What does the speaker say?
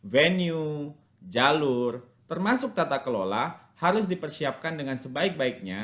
venue jalur termasuk tata kelola harus dipersiapkan dengan sebaik baiknya